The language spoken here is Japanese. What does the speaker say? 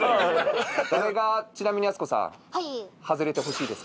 誰がちなみにやす子さんハズレてほしいですか？